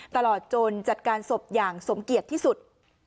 ตลอดจนจัดการศพอย่างสมเกียจที่สุด